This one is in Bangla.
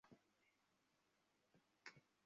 মনে হয় না ওরা বদলেছে।